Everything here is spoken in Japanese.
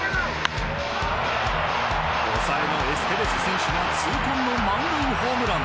抑えのエステベス選手が痛恨の満塁ホームラン。